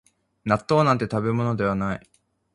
納豆なんて食べ物ではない